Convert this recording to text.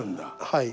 はい。